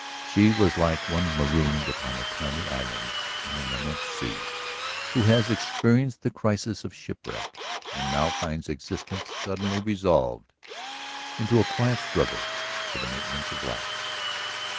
She was like one marooned upon a tiny island in an immense sea who has experienced the crisis of shipwreck and now finds existence suddenly resolved into a quiet struggle for the maintenance of life